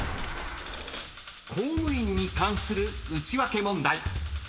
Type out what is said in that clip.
［公務員に関するウチワケ問題］